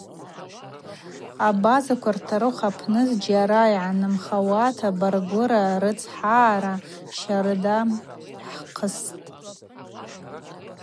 Абазаква хӏтурых апны зджьара йгӏанымхауата баргвыра, рыцхӏагӏа щарда хӏхъыстӏ.